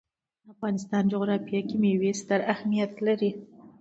د افغانستان جغرافیه کې مېوې ستر اهمیت لري.